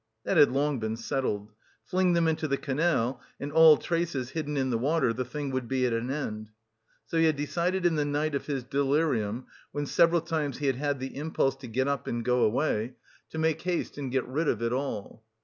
That had long been settled: "Fling them into the canal, and all traces hidden in the water, the thing would be at an end." So he had decided in the night of his delirium when several times he had had the impulse to get up and go away, to make haste, and get rid of it all.